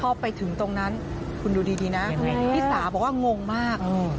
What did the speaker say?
พอไปถึงตรงนั้นคุณดูดีนะพี่สาบอกว่างงมาก